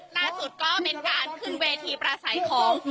ล่าสุดก็เป็นการขึ้นเวทีประสัยของ